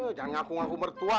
jangan ngaku ngaku mertua